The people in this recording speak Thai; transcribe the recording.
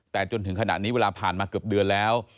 แต่จนถึงขณะนี้เวลาผ่านมาเกือบเดือนแล้ว